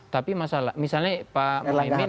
tapi masalah misalnya pak muhaymin